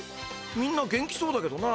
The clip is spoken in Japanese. みんな元気そうだけどな。